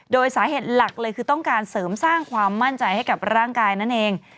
โดยสาเหตุหลักเลยคือต้องการเสริมสร้างความมั่นใจให้กับร่างกายนั่นเอง